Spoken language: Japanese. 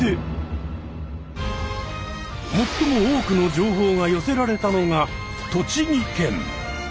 もっとも多くの情報が寄せられたのが栃木県。